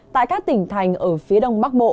tại các tỉnh thành ở phía đông bắc bộ